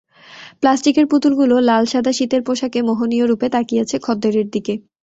প্লাস্টিকের পুতুলগুলো লাল-সাদা শীতের পোশাকে মোহনীয় রূপে তাকিয়ে আছে খদ্দেরের দিকে।